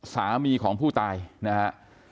สามีของผู้ตายนะฮะ